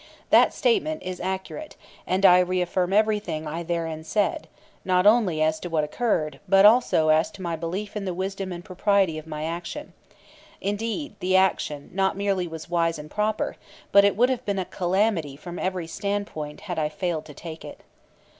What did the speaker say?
That statement is accurate, and I reaffirm everything I therein said, not only as to what occurred, but also as to my belief in the wisdom and propriety of my action indeed, the action not merely was wise and proper, but it would have been a calamity from every standpoint had I failed to take it.